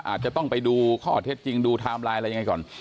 อาจจะต้องไปดูข้อเท็จจริงดูไทม์ไลน์อะไรยังไงก่อน